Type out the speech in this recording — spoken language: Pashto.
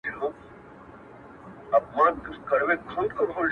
په زحمت به یې ایستله نفسونه-